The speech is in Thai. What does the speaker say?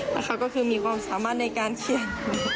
แล้วเขาก็คือมีความสามารถในการเขียน